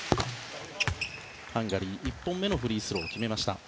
ハンガリー、１本目のフリースローは決めました。